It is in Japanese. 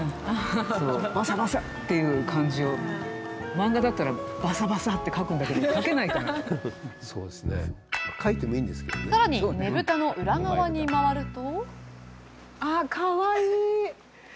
漫画だったらバサバサって描くんだけどさらにねぶたの裏側に回ると。